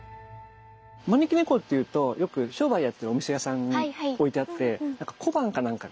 招き猫っていうとよく商売やってるお店屋さんに置いてあってなんか小判かなんかが。